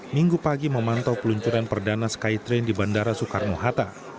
minggu pagi memantau peluncuran perdana skytrain di bandara soekarno hatta